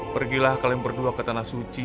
pergilah kalian berdua ke tanah suci